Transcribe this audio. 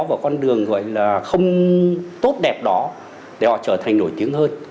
vào con đường gọi là không tốt đẹp đó để họ trở thành nổi tiếng hơn